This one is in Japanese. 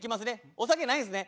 お酒ないんすね。